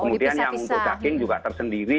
kemudian yang untuk daging juga tersendiri